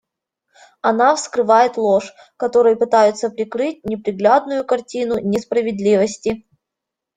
Она вскрывает ложь, которой пытаются прикрыть неприглядную картину несправедливости.